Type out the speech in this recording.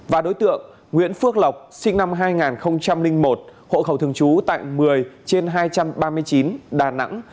và đối tượng nguyễn phước lộc sinh năm hai nghìn một hộ khẩu thường trú tại một mươi trên hai trăm ba mươi chín đà nẵng